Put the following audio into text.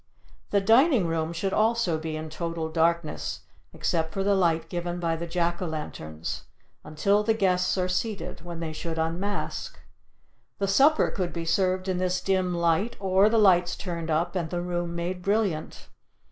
The dining room should also be in total darkness, except for the light given by the Jack o' lanterns, until the guests are seated, when they should unmask. The supper could be served in this dim light or the lights turned up and the room made brilliant.